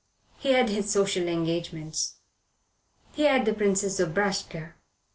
He had his social engagements. He had the Princess Zobraska.